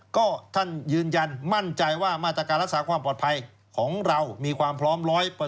ก็ท่านยืนยันมั่นใจว่ามาตรการรักษาความปลอดภัยของเรามีความพร้อม๑๐๐